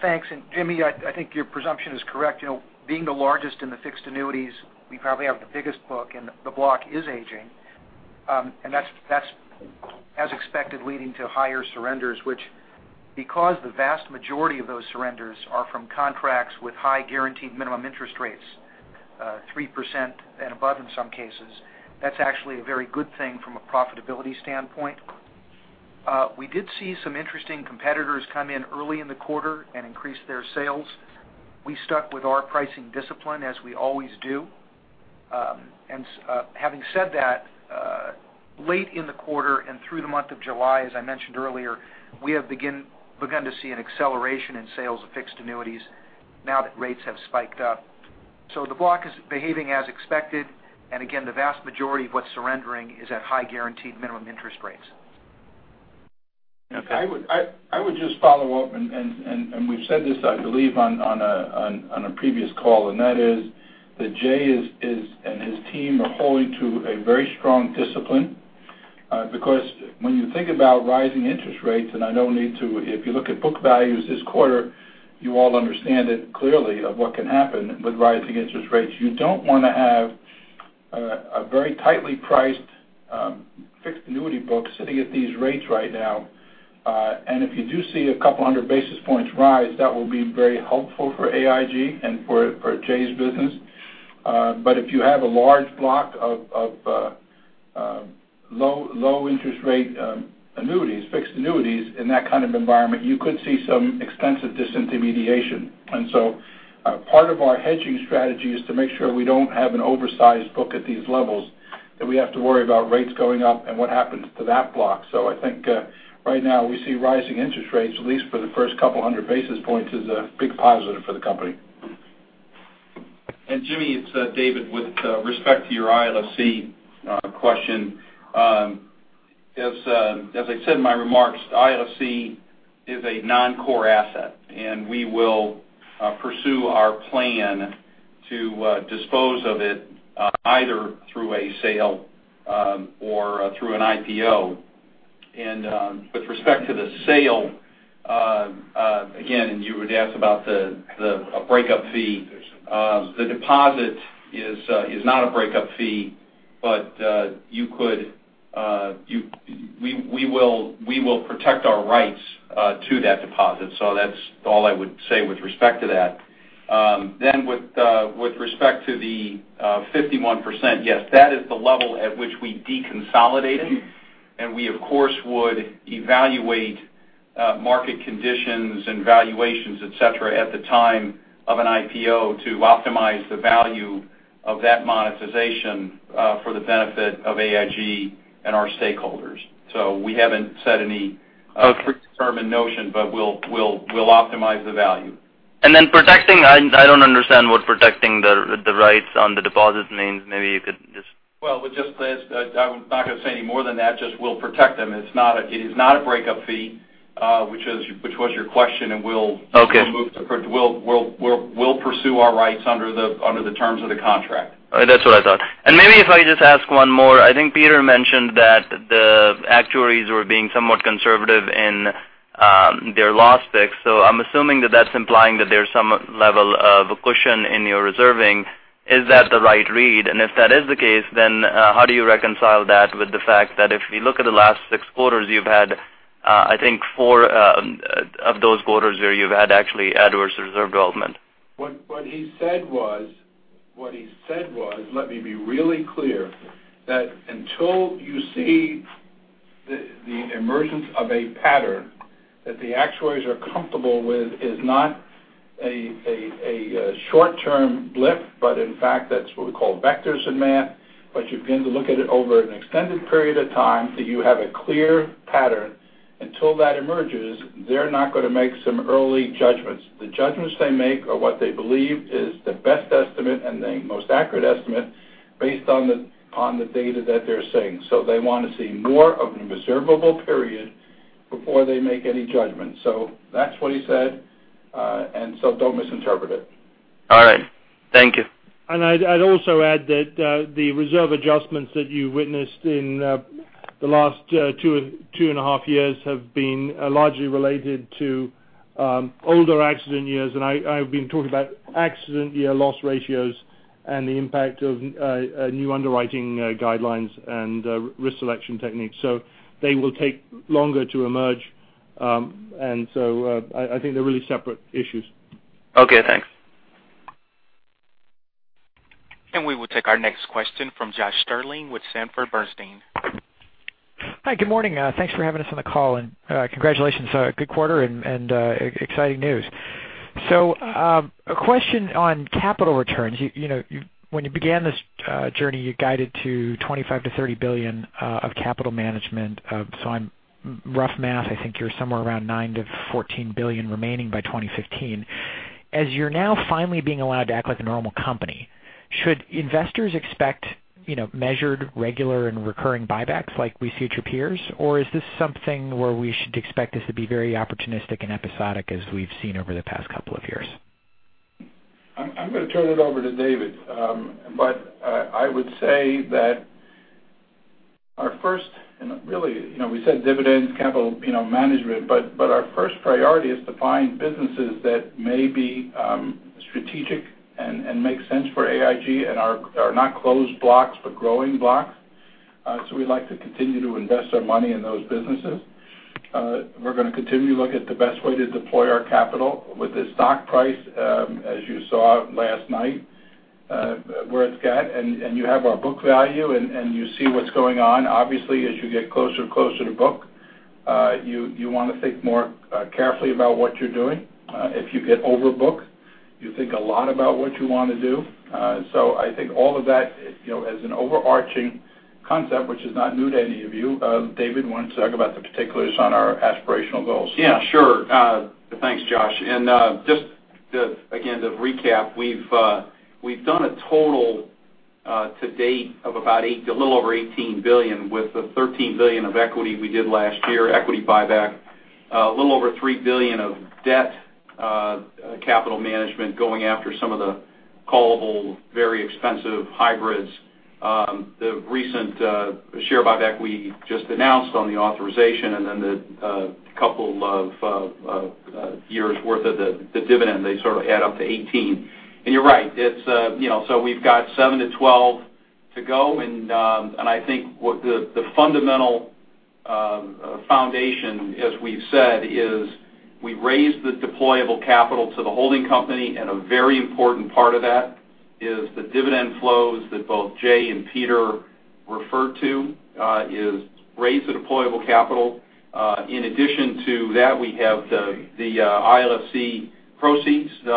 Thanks. Jimmy, I think your presumption is correct. Being the largest in the fixed annuities, we probably have the biggest book, and the block is aging. That's as expected, leading to higher surrenders, which because the vast majority of those surrenders are from contracts with high guaranteed minimum interest rates, 3% and above in some cases. That's actually a very good thing from a profitability standpoint. We did see some interesting competitors come in early in the quarter and increase their sales. We stuck with our pricing discipline as we always do. Having said that, late in the quarter and through the month of July, as I mentioned earlier, we have begun to see an acceleration in sales of fixed annuities now that rates have spiked up. The block is behaving as expected. Again, the vast majority of what's surrendering is at high guaranteed minimum interest rates. Okay. I would just follow up, and we've said this, I believe, on a previous call, and that is that Jay and his team are holding to a very strong discipline. When you think about rising interest rates, and I don't need to, if you look at book values this quarter, you all understand it clearly of what can happen with rising interest rates. You don't want to have a very tightly priced fixed annuity book sitting at these rates right now. If you do see 200 basis points rise, that will be very helpful for AIG and for Jay's business. If you have a large block of low interest rate annuities, fixed annuities in that kind of environment, you could see some expensive disintermediation. Part of our hedging strategy is to make sure we don't have an oversized book at these levels that we have to worry about rates going up and what happens to that block. I think right now we see rising interest rates, at least for the first 200 basis points, is a big positive for the company. Jimmy, it's David. With respect to your ILFC question, as I said in my remarks, ILFC is a non-core asset, and we will pursue our plan to dispose of it either through a sale or through an IPO. With respect to the sale, again, you would ask about a breakup fee. The deposit is not a breakup fee, but we will protect our rights to that deposit. That's all I would say with respect to that. With respect to the 51%, yes, that is the level at which we deconsolidated. We, of course, would evaluate market conditions and valuations, et cetera, at the time of an IPO to optimize the value of that monetization for the benefit of AIG and our stakeholders. We haven't set any predetermined notion, but we'll optimize the value. Protecting, I don't understand what protecting the rights on the deposits means. Maybe you could just? Well, I'm not going to say any more than that, just we'll protect them. It is not a breakup fee, which was your question, and we'll- Okay We'll pursue our rights under the terms of the contract. That's what I thought. Maybe if I just ask one more, I think Peter mentioned that the actuaries were being somewhat conservative in their loss picks. I'm assuming that's implying that there's some level of cushion in your reserving. Is that the right read? If that is the case, how do you reconcile that with the fact that if you look at the last six quarters you've had, I think four of those quarters where you've had actually adverse reserve development. What he said was, let me be really clear, that until you see the emergence of a pattern that the actuaries are comfortable with is not a short-term blip, but in fact that's what we call vectors in math. You begin to look at it over an extended period of time that you have a clear pattern. Until that emerges, they're not going to make some early judgments. The judgments they make are what they believe is the best estimate and the most accurate estimate based on the data that they're seeing. They want to see more of an observable period before they make any judgment. That's what he said, don't misinterpret it. All right. Thank you. I'd also add that the reserve adjustments that you witnessed in the last two and a half years have been largely related to older accident years. I've been talking about accident year loss ratios and the impact of new underwriting guidelines and risk selection techniques. They will take longer to emerge, I think they're really separate issues. Okay, thanks. We will take our next question from Josh Stirling with Sanford Bernstein. Hi, good morning. Thanks for having us on the call, and congratulations. Good quarter and exciting news. A question on capital returns. When you began this journey, you guided to $25 billion-$30 billion of capital management. On rough math, I think you're somewhere around $9 billion-$14 billion remaining by 2015. As you're now finally being allowed to act like a normal company, should investors expect measured, regular, and recurring buybacks like we see at your peers? Or is this something where we should expect this to be very opportunistic and episodic, as we've seen over the past couple of years? I'm going to turn it over to David. I would say that our first, and really, we said dividends, capital management, but our first priority is to find businesses that may be strategic and make sense for AIG and are not closed blocks, but growing blocks. We'd like to continue to invest our money in those businesses. We're going to continue to look at the best way to deploy our capital with the stock price, as you saw last night where it's at. You have our book value, and you see what's going on. Obviously, as you get closer and closer to book, you want to think more carefully about what you're doing. If you get over book, you think a lot about what you want to do. I think all of that as an overarching concept, which is not new to any of you. David wanted to talk about the particulars on our aspirational goals. Yeah, sure. Thanks, Josh. Just again, to recap, we've done a total to date of a little over $18 billion with the $13 billion of equity we did last year, equity buyback. A little over $3 billion of debt capital management going after some of the callable, very expensive hybrids. The recent share buyback we just announced on the authorization and then the couple of years worth of the dividend, they sort of add up to 18. You're right. We've got $7 billion-$12 billion to go, and I think the fundamental foundation, as we've said, is we've raised the deployable capital to the holding company, and a very important part of that is the dividend flows that both Jay and Peter referred to, is raise the deployable capital. In addition to that, we have the ILFC proceeds that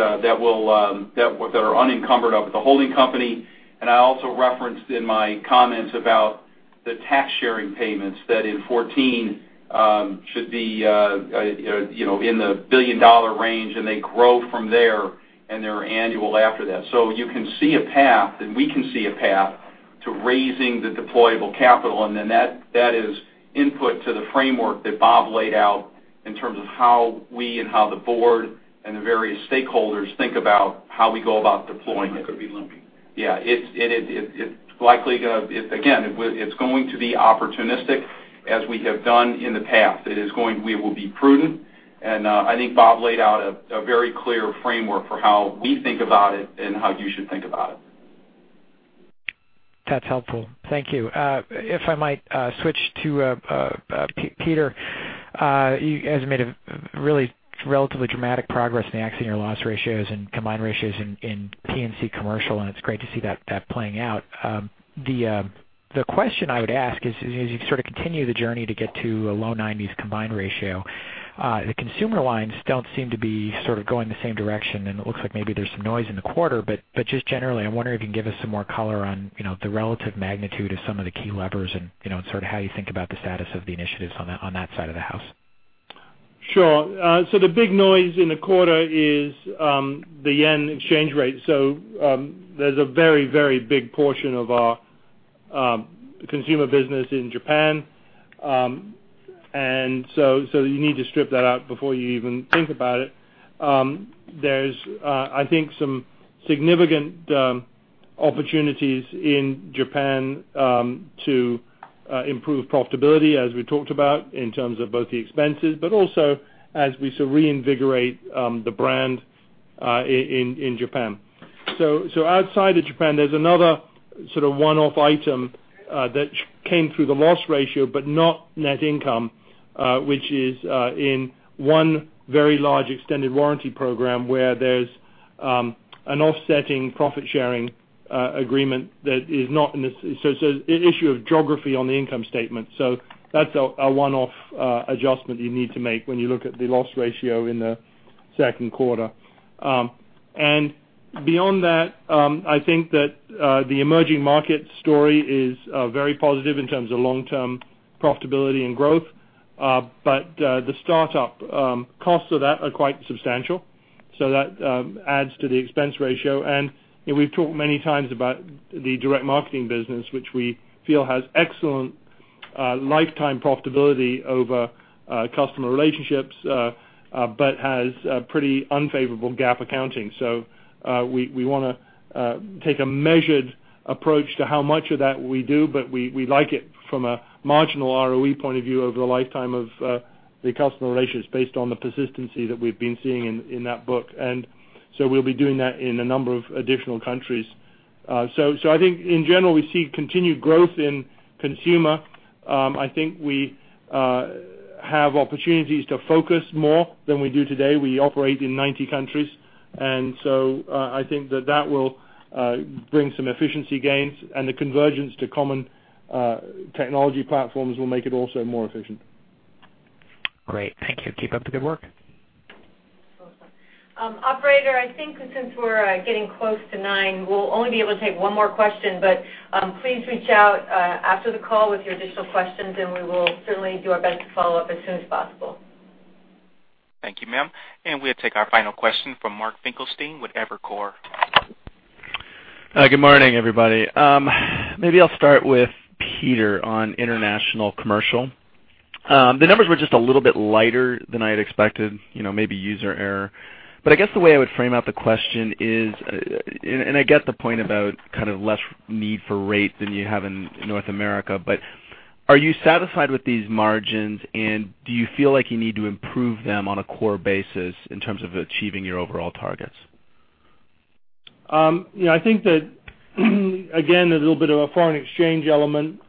are unencumbered of the holding company. I also referenced in my comments about the tax sharing payments that in 2014 should be in the $1 billion range, and they grow from there, and they're annual after that. You can see a path, and we can see a path to raising the deployable capital, and then that is input to the framework that Bob laid out in terms of how we and how the board and the various stakeholders think about how we go about deploying it. It could be lumpy. Again, it's going to be opportunistic as we have done in the past. We will be prudent, and I think Bob laid out a very clear framework for how we think about it and how you should think about it. That's helpful. Thank you. If I might switch to Peter, you guys have made a really relatively dramatic progress in the accident loss ratios and combined ratios in P&C commercial, and it's great to see that playing out. The question I would ask is, as you continue the journey to get to a low 90s combined ratio, the consumer lines don't seem to be going the same direction, and it looks like maybe there's some noise in the quarter, but just generally, I wonder if you can give us some more color on the relative magnitude of some of the key levers and how you think about the status of the initiatives on that side of the house. Sure. The big noise in the quarter is the JPY exchange rate. There's a very big portion of our consumer business in Japan. You need to strip that out before you even think about it. There's some significant opportunities in Japan to improve profitability, as we talked about, in terms of both the expenses, but also as we reinvigorate the brand in Japan. Outside of Japan, there's another one-off item that came through the loss ratio but not net income, which is in one very large extended warranty program where there's an offsetting profit-sharing agreement that is not in this. It's an issue of geography on the income statement. That's a one-off adjustment you need to make when you look at the loss ratio in the second quarter. Beyond that, I think that the emerging market story is very positive in terms of long-term profitability and growth. The startup costs of that are quite substantial, that adds to the expense ratio. We've talked many times about the direct marketing business, which we feel has excellent lifetime profitability over customer relationships, but has a pretty unfavorable GAAP accounting. We want to take a measured approach to how much of that we do, but we like it from a marginal ROE point of view over the lifetime of the customer relations based on the persistency that we've been seeing in that book. We'll be doing that in a number of additional countries. I think in general, we see continued growth in consumer. I think we have opportunities to focus more than we do today. We operate in 90 countries, I think that that will bring some efficiency gains, the convergence to common technology platforms will make it also more efficient. Great. Thank you. Keep up the good work. Operator, I think since we're getting close to 9:00, we'll only be able to take one more question. Please reach out after the call with your additional questions, we will certainly do our best to follow up as soon as possible. Thank you, ma'am. We'll take our final question from Mark Finkelstein with Evercore. Good morning, everybody. Maybe I'll start with Peter on international commercial. The numbers were just a little bit lighter than I had expected, maybe user error. I guess the way I would frame out the question is, I get the point about less need for rate than you have in North America. Are you satisfied with these margins, do you feel like you need to improve them on a core basis in terms of achieving your overall targets? I think that, again, a little bit of a foreign exchange element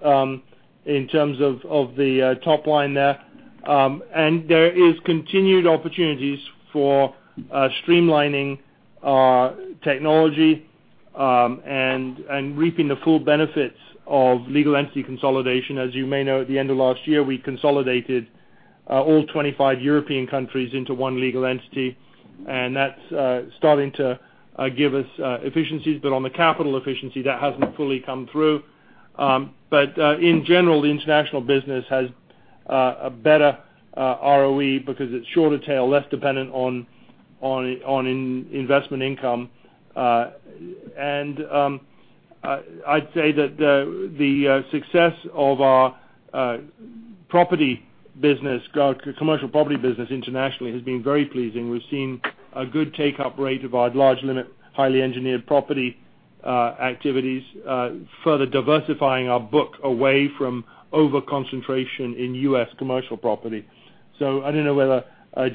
in terms of the top line there. There is continued opportunities for streamlining our technology and reaping the full benefits of legal entity consolidation. As you may know, at the end of last year, we consolidated all 25 European countries into one legal entity, that's starting to give us efficiencies. On the capital efficiency, that hasn't fully come through. In general, the international business has a better ROE because it's shorter tail, less dependent on investment income. I'd say that the success of our commercial property business internationally has been very pleasing. We've seen a good take-up rate of our large limit, highly engineered property activities, further diversifying our book away from over-concentration in U.S. commercial property. I don't know whether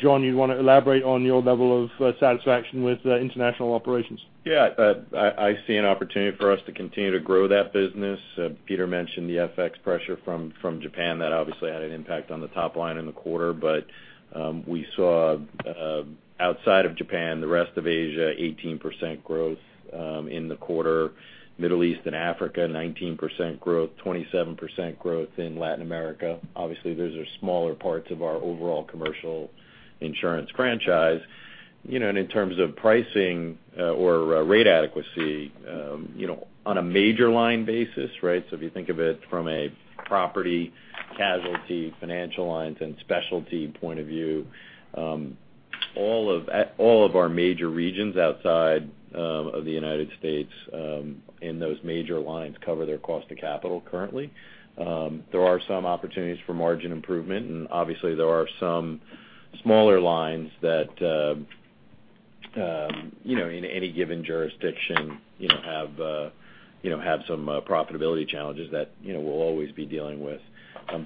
John, you'd want to elaborate on your level of satisfaction with international operations. Yeah. I see an opportunity for us to continue to grow that business. Peter mentioned the FX pressure from Japan. That obviously had an impact on the top line in the quarter. We saw, outside of Japan, the rest of Asia, 18% growth in the quarter. Middle East and Africa, 19% growth, 27% growth in Latin America. Obviously, those are smaller parts of our overall commercial insurance franchise. You know, in terms of pricing or rate adequacy, on a major line basis, right? If you think of it from a property, casualty, financial lines, and specialty point of view, all of our major regions outside of the United States, in those major lines cover their cost of capital currently. There are some opportunities for margin improvement, obviously, there are some smaller lines that, you know, in any given jurisdiction have some profitability challenges that we'll always be dealing with.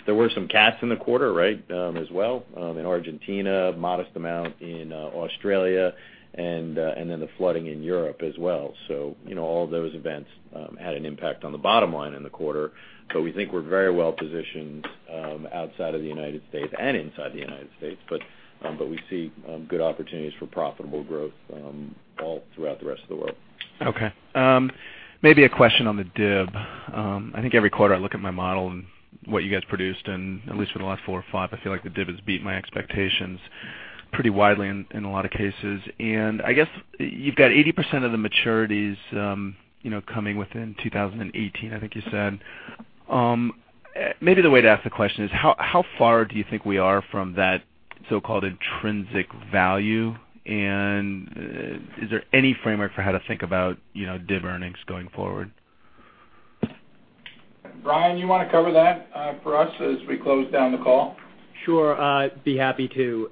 There were some cats in the quarter, right? As well, in Argentina, modest amount in Australia, then the flooding in Europe as well. You know, all of those events had an impact on the bottom line in the quarter. We think we're very well-positioned outside of the United States and inside the United States. But we see good opportunities for profitable growth all throughout the rest of the world. Okay. Maybe a question on the DIB. I think every quarter I look at my model and what you guys produced, and at least for the last four or five, I feel like the DIB has beaten my expectations pretty widely in a lot of cases. I guess you've got 80% of the maturities, coming within 2018, I think you said. Maybe the way to ask the question is, how far do you think we are from that so-called intrinsic value? Is there any framework for how to think about DIB earnings going forward? Brian, you want to cover that for us as we close down the call? Sure. I'd be happy to.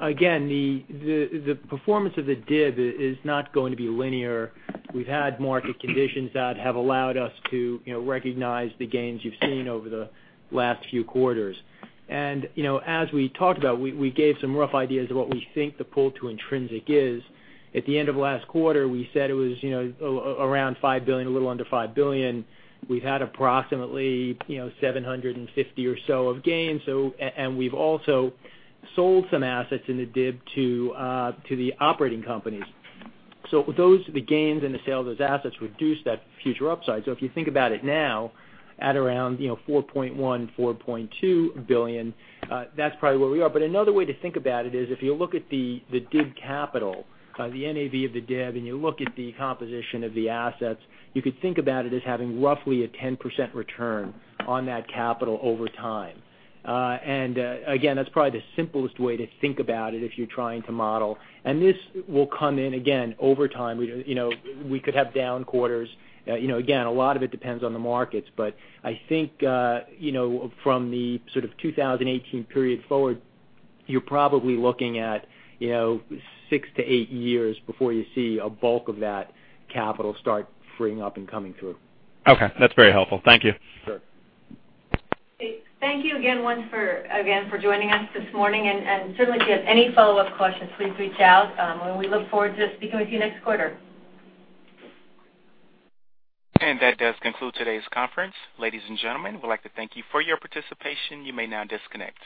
Again, the performance of the DIB is not going to be linear. We've had market conditions that have allowed us to recognize the gains you've seen over the last few quarters. As we talked about, we gave some rough ideas of what we think the pull to intrinsic is. At the end of last quarter, we said it was around $5 billion, a little under $5 billion. We've had approximately $750 million or so of gains, and we've also sold some assets in the DIB to the operating companies. Those are the gains and the sales of those assets reduce that future upside. If you think about it now, at around, you know, $4.1 billion, $4.2 billion, that's probably where we are. Another way to think about it is if you look at the DIB capital, the NAV of the DIB, and you look at the composition of the assets, you could think about it as having roughly a 10% return on that capital over time. Again, that's probably the simplest way to think about it if you're trying to model. This will come in again over time. We could have down quarters. Again, a lot of it depends on the markets. I think, you know, from the sort of 2018 period forward, you're probably looking at six to eight years before you see a bulk of that capital start freeing up and coming through. Okay. That's very helpful. Thank you. Sure. Thank you again for joining us this morning. Certainly, if you have any follow-up questions, please reach out. We look forward to speaking with you next quarter. That does conclude today's conference. Ladies and gentlemen, we'd like to thank you for your participation. You may now disconnect.